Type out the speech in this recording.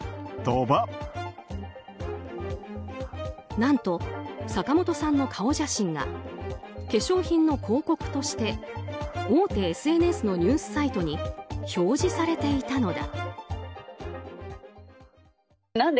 何と坂本さんの顔写真が化粧品の広告として大手ＳＮＳのニュースサイトに表示されていたのだ。